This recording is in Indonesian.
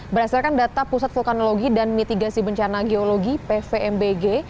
berdasarkan data pusat vulkanologi dan mitigasi bencana geologi pvmbg